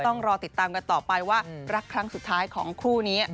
ต้องรอติดตามกันต่อไปว่ารักครั้งสุดท้ายของคู่นี้